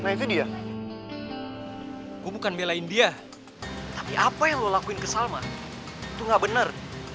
nah itu dia gue bukan belain dia tapi apa yang lo lakuin ke salma itu nggak benar